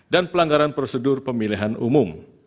dan pelanggaran prosedur pemilihan umum